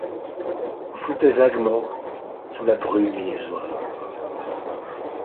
Où flottaient vaguement sous la brume illusoire